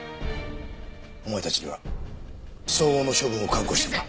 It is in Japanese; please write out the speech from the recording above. お前たちには相応の処分を覚悟してもらう。